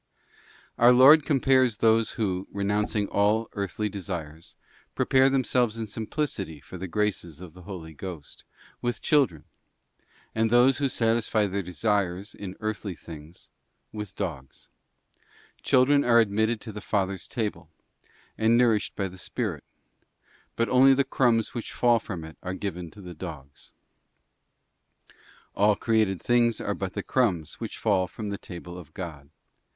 t Our Lord compares those who, renouncing all earthly desires, prepare K themselves in simplicity for the graces of the Holy Ghost, with children, and those who satisfy their desires in earthly things, with dogs: children are admitted to the Father's table, and nourished by the Spirit, but only the crumbs which fall from it are given to the dogs. All created things are but the crumbs which fall from the table of God.